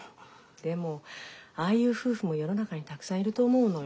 でもああいう夫婦も世の中にたくさんいると思うのよ。